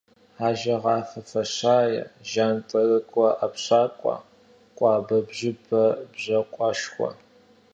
Ажэгъафэ фащае, жьантӏэрыкӏуэ ӏэпщакӏуэ, къуэбэбжьабэ бжьакъуэшхуэ.